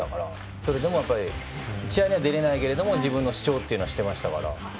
それでも、やっぱり試合には出れないけど自分の主張はしていたから。